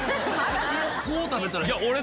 こう食べたらいい。